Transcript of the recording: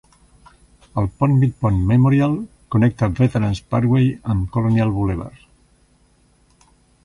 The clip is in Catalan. El pont Midpoint Memorial connecta Veterans Parkway amb Colonial Boulevard.